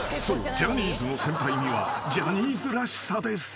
ジャニーズの先輩にはジャニーズらしさで攻める］